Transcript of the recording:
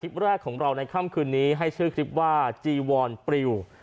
แรกของเราในค่ำคืนนี้ให้ชื่อคลิปว่าจีวอนปริว